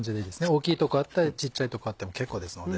大きいとこあって小っちゃいとこあっても結構ですので。